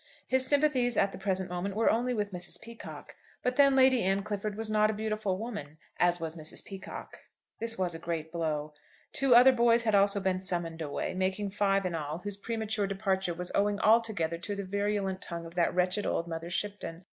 His sympathies at the present moment were only with Mrs. Peacocke. But then Lady Anne Clifford was not a beautiful woman, as was Mrs. Peacocke. This was a great blow. Two other boys had also been summoned away, making five in all, whose premature departure was owing altogether to the virulent tongue of that wretched old Mother Shipton.